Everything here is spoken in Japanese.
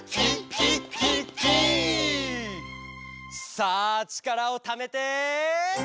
「さあちからをためて！」